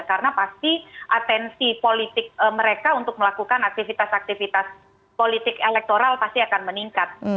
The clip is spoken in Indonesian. karena pasti atensi politik mereka untuk melakukan aktivitas aktivitas politik elektoral pasti akan meningkat